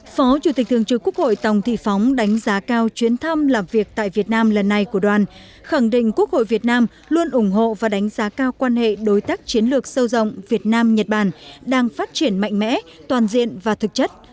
phó chủ tịch thường trực quốc hội tòng thị phóng đánh giá cao chuyến thăm làm việc tại việt nam lần này của đoàn khẳng định quốc hội việt nam luôn ủng hộ và đánh giá cao quan hệ đối tác chiến lược sâu rộng việt nam nhật bản đang phát triển mạnh mẽ toàn diện và thực chất